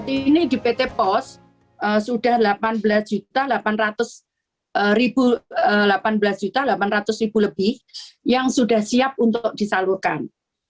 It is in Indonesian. ini di pt pos sudah rp delapan belas delapan ratus lebih yang sudah siap untuk disalurkan